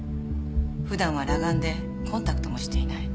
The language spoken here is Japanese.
普段は裸眼でコンタクトもしていない。